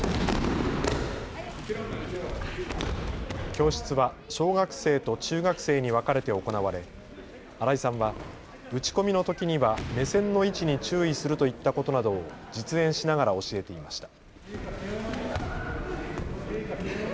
教室は小学生と中学生に分かれて行われ、新井さんは打ち込みのときには目線の位置に注意するといったことなどを実演しながら教えていました。